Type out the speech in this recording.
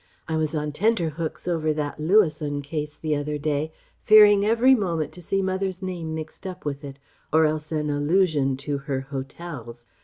I was on tenterhooks over that Lewissohn case the other day, fearing every moment to see mother's name mixed up with it, or else an allusion to her 'Hotels.'